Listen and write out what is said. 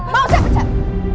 mau saya pecat